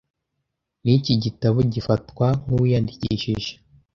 Niki gitabo gifatwa nkuwiyandikishije